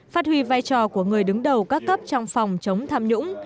phát huy vai trò của người đứng đầu các cấp trong phòng chống tham nhũng